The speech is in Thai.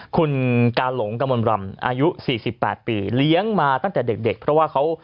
คุณกาหลงกับมนต์รำอายุสี่สิบแปดปีเลี้ยงมาตั้งแต่เด็กเด็กเพราะว่าเขา